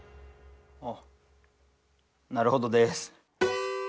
あなるほどです。